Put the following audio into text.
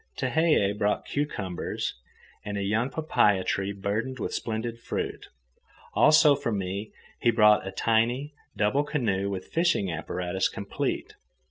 Tehei brought cucumbers and a young papaia tree burdened with splendid fruit. Also, for me he brought a tiny, double canoe with fishing apparatus complete.